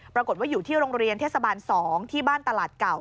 ปรากฏว่าอยู่ที่โรงเรียนเทศบาล๒ที่บ้านตลาดเก่า